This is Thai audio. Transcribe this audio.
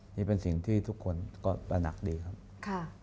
นี่เป็นสิ่งที่ทุกคนก็ตระหนักดีครับ